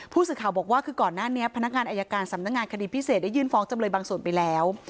ผู้สื่อข่าวบอกว่าคือก่อนหน้านี้พนักงานอายการสำนักงานคดีพิเศษได้ยื่นฟ้องจำเลยบางส่วนไปแล้ว